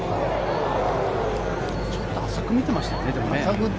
ちょっと浅く見てましたよね。